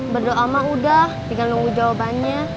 berdoa mah udah tinggal nunggu jawabannya